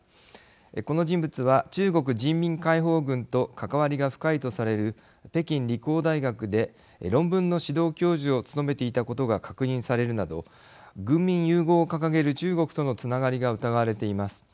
この人物は中国人民解放軍と関わりが深いとされる北京理工大学で論文の指導教授を務めていたことが確認されるなど軍民融合を掲げる中国とのつながりが疑われています。